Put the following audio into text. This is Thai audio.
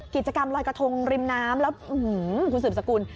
กิจกรรมลอยกระทงริมน้ำแล้วคุณสืบสกุล